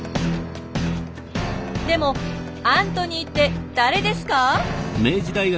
でもアントニーって誰ですか？